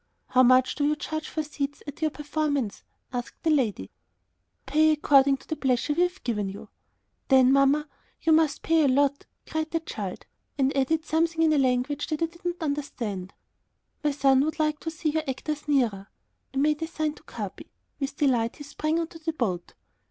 "How much do you charge for seats at your performance?" asked the lady. "You pay according to the pleasure we have given you." "Then, Mamma, you must pay a lot," said the child. He added something in a language that I did not understand. "My son would like to see your actors nearer." I made a sign to Capi. With delight, he sprang onto the boat.